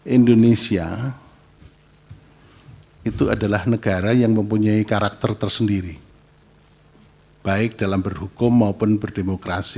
indonesia itu adalah negara yang mempunyai karakter tersendiri baik dalam berhukum maupun berdemokrasi